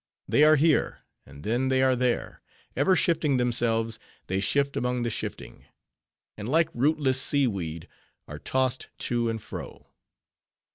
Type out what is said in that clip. They are here and then they are there; ever shifting themselves, they shift among the shifting: and like rootless sea weed, are tossed to and fro.